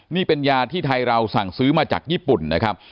นี่เป็นยาที่ไทยเราสั่งซื้อมาจากญี่ปุ่นนะครับ